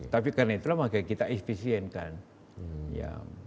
tapi karena itulah makanya kita efisienkan